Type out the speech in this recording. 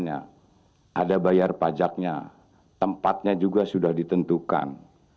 ada bayar pajaknya tempatnya juga sudah ditentukan